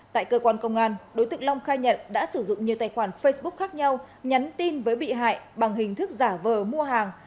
tại cơ quan công an đối tượng long khai nhận đã sử dụng nhiều tài khoản facebook khác nhau nhắn tin với bị hại bằng hình thức giả vờ mua hàng